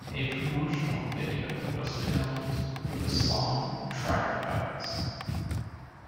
A promotional video was filmed for the song "Trilobites".